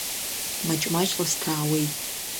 Маҷ-маҷла сҭаауеит.